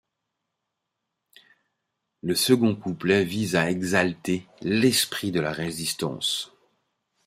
Le second couplet vise à exalter l'esprit de la Résistance.